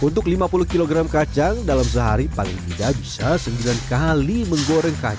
untuk lima puluh kg kacang dalam sehari paling tidak bisa sembilan kali menggoreng kacang